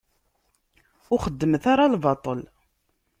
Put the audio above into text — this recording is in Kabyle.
Ur xeddmet ara lbaṭel.